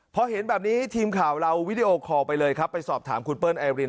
พอเห็นแบบนี้ทีมข่าวเราวิดีโอคอลไปเลยครับไปสอบถามคุณเปิ้ลไอริน